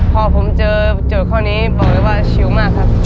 พอผมเจอโจทย์ข้อนี้บอกเลยว่าชิวมากครับ